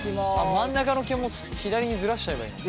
真ん中の毛も左にずらしちゃえばいいのか。